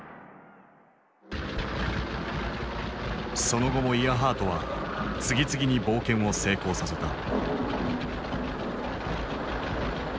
その後もイアハートは次々に冒険を成功させた。